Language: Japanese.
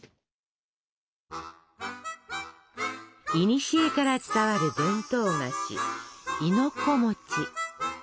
いにしえから伝わる伝統菓子亥の子。